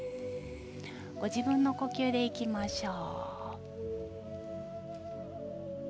ご自分の呼吸にいきましょう。